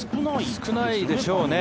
少ないでしょうね。